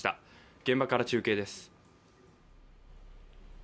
現場から中継です。